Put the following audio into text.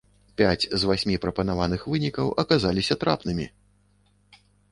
Пяць з васьмі прапанавых вынікаў аказаліся трапнымі!